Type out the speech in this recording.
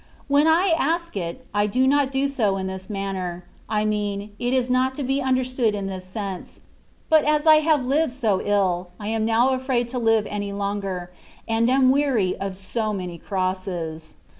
When I ask it, I do not do so in this manner (I mean, it is not to be understood in this sense); but as I have lived so iU, I am now afraid to Kve any longer, and am weary of so many crosses.